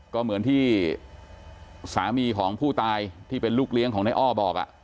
ก็เหมือนที่สามีของผู้ตายที่เป็นลูกเลี้ยงของนายอ้อบอก